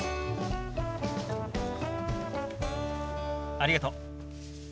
ありがとう。